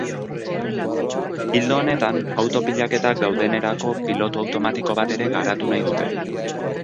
Ildo honetan, auto pilaketak daudenerako pilotu automatiko bat ere garatu nahi dute.